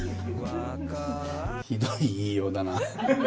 ひどい言いようだな。